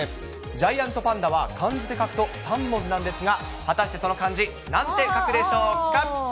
ジャイアントパンダは漢字で書くと３文字なんですが、果たしてその漢字、なんて書くんでしょうか。